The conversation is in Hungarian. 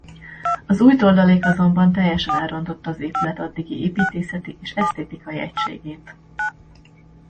Az új toldalék azonban teljesen elrontotta az épület addigi építészeti és esztétikai egységét.